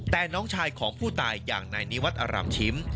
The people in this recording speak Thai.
แต่น้องชายของผู้ตายอย่างนายนิวัตรอร่ำชิม